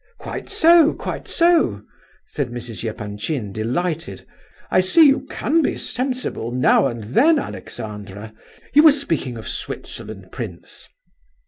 "Quite so, quite so!" cried Mrs. Epanchin, delighted. "I see you can be sensible now and then, Alexandra. You were speaking of Switzerland, prince?"